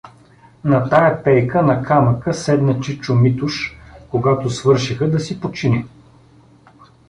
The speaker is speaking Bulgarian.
На тая пейка, на камъка, седна чичо Митуш, когато свършиха, да си почине.